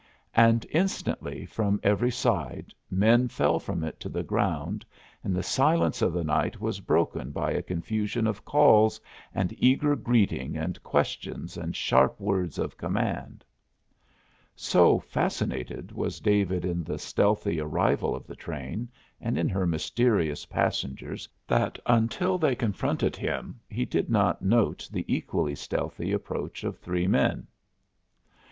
And instantly from every side men fell from it to the ground, and the silence of the night was broken by a confusion of calls and eager greeting and questions and sharp words of command. So fascinated was David in the stealthy arrival of the train and in her mysterious passengers that, until they confronted him, he did not note the equally stealthy approach of three men.